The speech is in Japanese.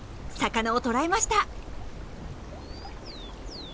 魚を捕らえました。